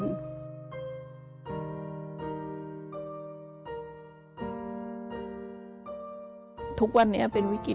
ทำงานชื่อนางหยาดฝนภูมิสุขอายุ๕๔ปี